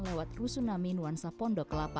lewat rusunami nuansa pondok kelapa